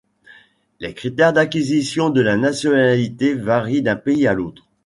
Les critères d'acquisition de la nationalité varient d'un pays à l'autre.